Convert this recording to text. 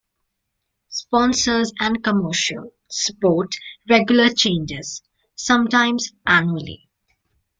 Sponsors and commercial support regularly changes, sometimes annually.